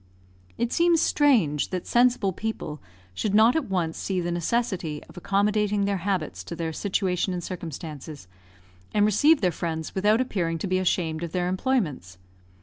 It seems strange that sensible people should not at once see the necessity of accommodating their habits to their situation and circumstances, and receive their friends without appearing to be ashamed of their employments.